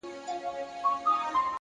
علم د ژوند ارزښت لوړوي،